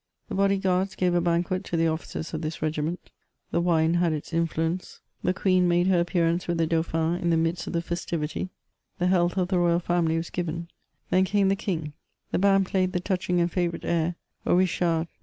« The body guards gave a banquet to the officers of this regiment — the wine had its in* fluence ; the queen made her appearance with the dauphin in the midst of the festivity ; the health of the royal family was given ; CHATEAUBRIAND, 213 then came the king; the band played the touching and favourite air :" O Richard^ .